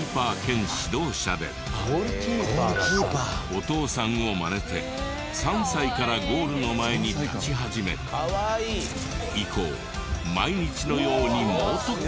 お父さんをまねて３歳からゴールの前に立ち始め以降毎日のように猛特訓。